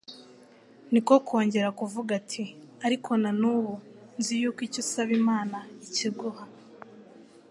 niko kongera kuvuga, ati: "ariko na n'ubu nzi yuko icyo usaba Imana ikiguha."